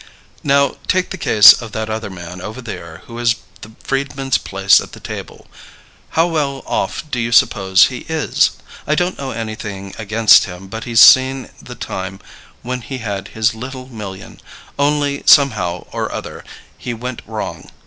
"Now, take the case of that other man over there who has the freedman's place at the table. How well off do you suppose he is? I don't know anything against him, but he's seen the time when he had his little million; only, somehow or other, he went wrong.